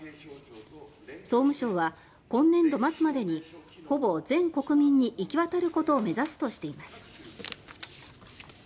総務省は今年度末までにほぼ全国民に行き渡ることを目指すとしています。